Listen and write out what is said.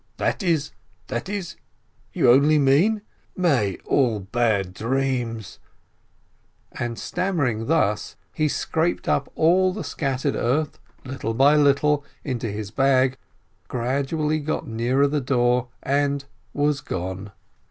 That is ... that is ... you only mean ... may all bad dreams! 42 JEHALEL ..." and stammering thus, he scraped all the scattered earth, little by little, into his bag, gradually got nearer the door, and — was gone!